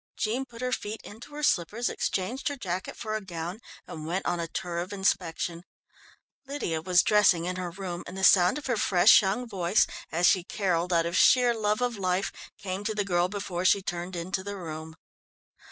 Jean put her feet into her slippers, exchanged her jacket for a gown, and went on a tour of inspection. Lydia was dressing in her room, and the sound of her fresh, young voice, as she carolled out of sheer love of life, came to the girl before she turned into the room.